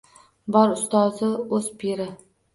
Bor ustozi, o’z piri.